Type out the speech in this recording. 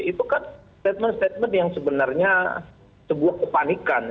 itu kan statement statement yang sebenarnya sebuah kepanikan